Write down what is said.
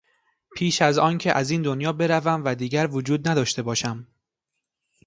پیش از آنکه از این دنیا بروم و دیگر وجود نداشته باشم.